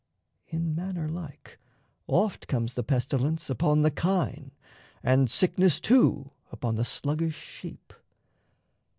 In manner like, Oft comes the pestilence upon the kine, And sickness, too, upon the sluggish sheep.